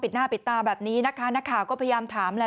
หน้าปิดตาแบบนี้นะคะหน้าข่าก็พยายามถาม